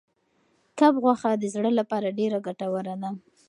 کب غوښه د زړه لپاره ډېره ګټوره ده.